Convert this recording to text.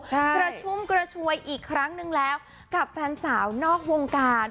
กระชุ่มกระชวยอีกครั้งนึงแล้วกับแฟนสาวนอกวงการ